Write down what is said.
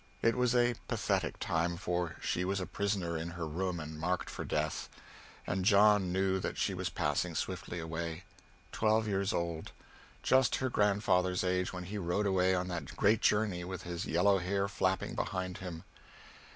It was a pathetic time, for she was a prisoner in her room and marked for death. And John knew that she was passing swiftly away. Twelve years old just her grandfather's age when he rode away on that great journey with his yellow hair flapping behind him.